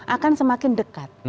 akan semakin dekat